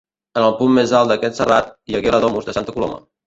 En el punt més alt d'aquest serrat hi hagué la Domus de Santa Coloma.